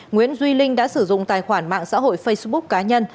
nguyễn duy linh đã sử dụng tài khoản mạng xã hội facebook cá nhân